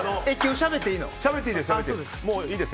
しゃべっていいです。